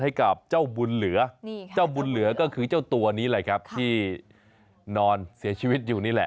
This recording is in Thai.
ให้กับเจ้าบุญเหลือเจ้าบุญเหลือก็คือเจ้าตัวนี้แหละครับที่นอนเสียชีวิตอยู่นี่แหละ